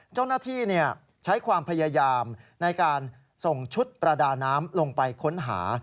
เจ้าหน้าที่ใช้ความพยายามในการส่งชุดประดาน้ำลงไปค้นหา